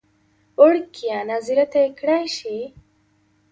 وړکیه ناظره ته یې کړی شې.